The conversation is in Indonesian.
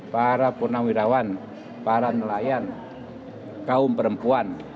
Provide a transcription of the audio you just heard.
para purnawirawan para nelayan kaum perempuan